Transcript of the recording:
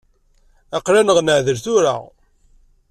Aql-aneɣ neɛdel tura.